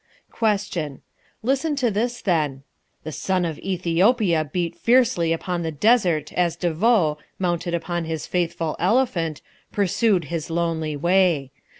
Question. Listen to this, then: "The sun of Ethiopia beat fiercely upon the desert as De Vaux, mounted upon his faithful elephant, pursued his lonely way.